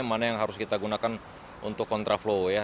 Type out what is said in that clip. mana yang harus kita gunakan untuk kontraflow ya